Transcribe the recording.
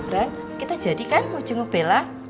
ren kita jadi kan mau jenguk bella